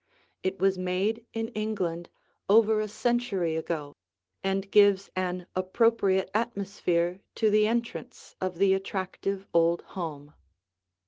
It was made in England over a century ago and gives an appropriate atmosphere to the entrance of the attractive old home.